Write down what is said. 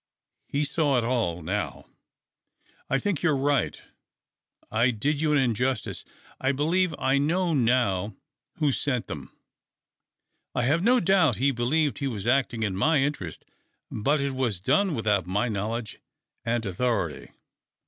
He saw it all now. " I think you are right — I did you an injustice. I believe I know now who sent them. I have no doubt he believed he was acting in my interests, but it was done with out my knowledge and authority.